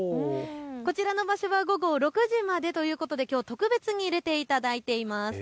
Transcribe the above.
こちらの場所は午後６時までということで、きょう特別に入れていただいています。